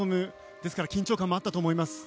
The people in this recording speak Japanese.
ですから緊張感もあったと思います。